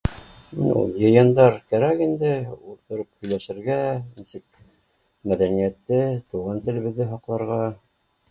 Йыйындар кәрәк инде, ултырып һөйләшергә нисек мәҙәниәтте, туған телебеҙҙе һаҡларға